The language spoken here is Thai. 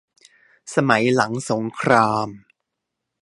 สมัยหลังสงคราม